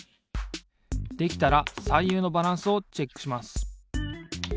できたらさゆうのバランスをチェックします。